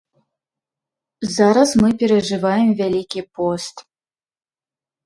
Зараз мы перажываем вялікі пост.